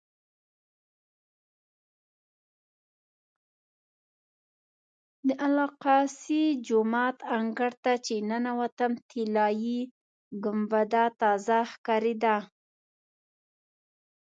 د الاقصی جومات انګړ ته چې ننوتم طلایي ګنبده تازه ښکارېده.